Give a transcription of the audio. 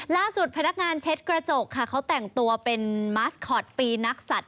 พนักงานเช็ดกระจกค่ะเขาแต่งตัวเป็นมาสคอตปีนักสัตว